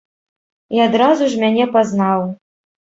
І адразу ж мяне пазнаў!